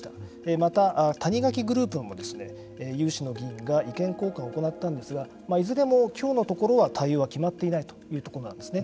また谷垣グループも有志の議員が意見交換を行ったんですがいずれもきょうのところは対応は決まっていないというところなんですね。